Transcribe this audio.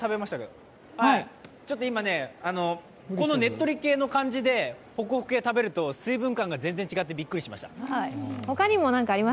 ちょっと今ねっとり系の感じでホクホク系を食べると水分感が全然違ってびっくりしました。